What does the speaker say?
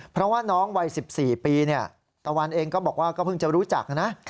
เพราะว่าน้องวัย๑๔ปีตะวันเองก็บอกว่าก็เพิ่งจะรู้จักนะ